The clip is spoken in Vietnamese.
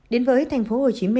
đến với tp hcm